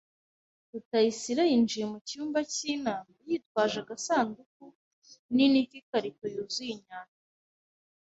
Rutayisire yinjiye mu cyumba cy'inama, yitwaje agasanduku nini k'ikarito yuzuye inyandiko.